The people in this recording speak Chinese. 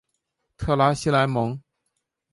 特拉西莱蒙。